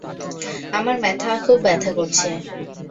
আমার মাথা খুব ব্যাথা করছে।